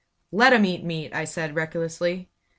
"Let 'em eat meat!" I said, recklessly.